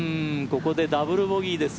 ここでダブルボギーです。